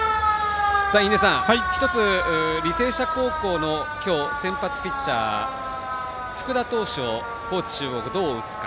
１つ、履正社高校の今日、先発ピッチャー福田投手を高知中央がどう打つか。